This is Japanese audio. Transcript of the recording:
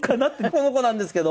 この子なんですけど。